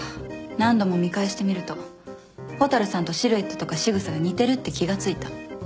何度も見返してみると蛍さんとシルエットとかしぐさが似てるって気が付いた。